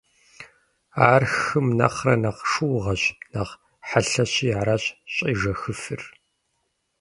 Ар хым нэхърэ нэхъ шыугъэщ, нэхъ хъэлъэщи аращ щӏежэхыфыр.